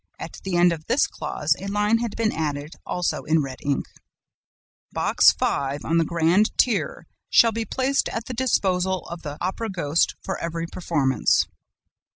At the end of this clause, a line had been added, also in red ink: "'Box Five on the grand tier shall be placed at the disposal of the Opera ghost for every performance.'